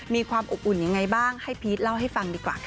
มีความอบอุ่นยังไงบ้างให้พีชเล่าให้ฟังดีกว่าค่ะ